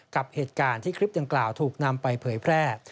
กับเหตุการณ์ที่คลิปดังกล่าวถูกนำไปเผยแพร่